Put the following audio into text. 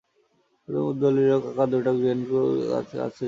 কুমুদ বলিল, কাকার দুটো গ্রেট ডেন কুকুর আছে জানিস?